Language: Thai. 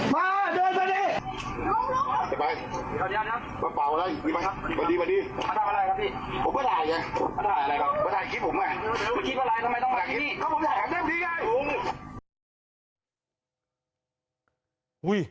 มาเดินไปเลย